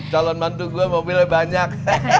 calon mantu gue mobilnya banyak